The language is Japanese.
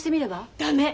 駄目！